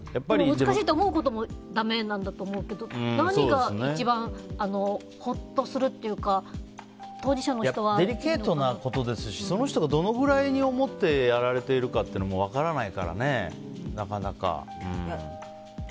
難しいと思うこともだめなんだと思うけど何が一番ほっとするというかデリケートなことですしその人がどのくらいに思ってやられているかっていうのも分からないからね、なかなか。